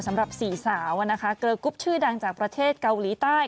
สำหรับสี่สาวเกอร์กรุ๊ปชื่อดังจากประเทศเกาหลีใต้